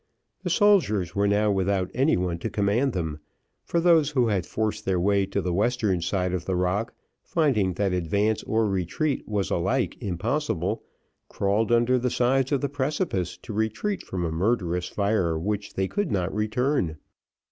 The soldiers who were now without any one to command them, for those who had forced their way to the western side of the rock, finding that advance or retreat was alike impossible, crawled under the sides of the precipice to retreat from a murderous fire which they could not return.